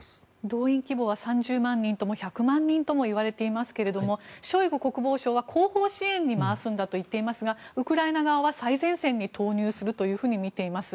動員希望は３０万人とも１００万人ともいわれていますがショイグ国防相は後方支援に回すんだと言っていますがウクライナ側は最前線に投入すると見ています。